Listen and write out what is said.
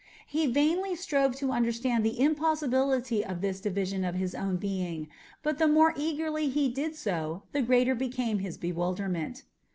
He vainly strove to understand the impossibility of this division of his own being, but the more eagerly he did so the greater became his bewilderment.